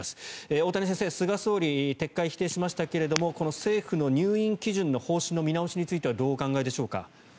大谷先生、菅総理撤回を否定しましたけれどもこの政府の入院基準の方針の見直しについてはどうお考えでしょうか。